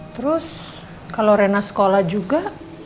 terus kalau rena sekolah juga